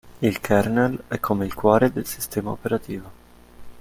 Il kernel è come il "cuore" del sistema operativo.